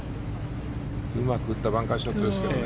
うまく打ったバンカーショットですけどね。